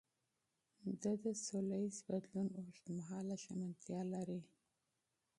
ده د سولهییز بدلون اوږدمهاله ژمنتیا لري.